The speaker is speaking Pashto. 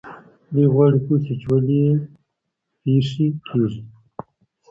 دوی غواړي پوه سي چې ولې پېښې کیږي.